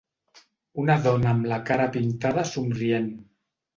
Una dona amb la cara pintada somrient.